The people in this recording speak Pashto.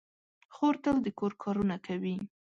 خور تل د کور کارونه کوي.